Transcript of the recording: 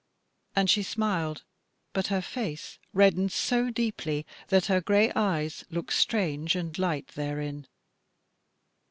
And she smiled, but her face reddened so deeply that her grey eyes looked strange and light therein.